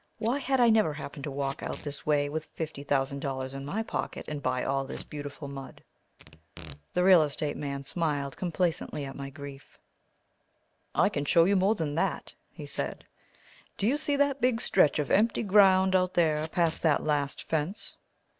Why had I never happened to walk out this way with fifty thousand dollars in my pocket and buy all this beautiful mud? The real estate man smiled complacently at my grief. "I can show you more than that," he said. "Do you see that big stretch of empty ground out there past that last fence?"